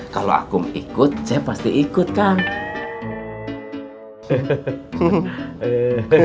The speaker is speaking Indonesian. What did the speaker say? kalau akum ikut saya pasti ikut kan